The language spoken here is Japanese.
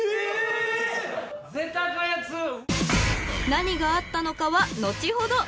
［何があったのかは後ほど］